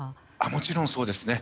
もちろんそうです。